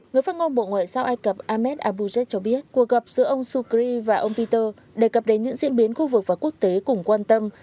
người phát ngôn bộ ngoại giao ai cập ahmed abujeb cho biết cuộc gặp giữa ông sukri và ông peter đề cập đến những diễn biến khu vực và quốc tế cùng quan tâm